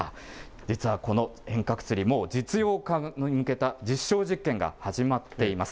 実はこの遠隔釣り、もう実用化に向けた実証実験が始まっています。